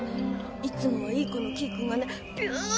いつもはいい子のキーくんがねピュー